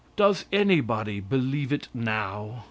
Does anybody believe it now?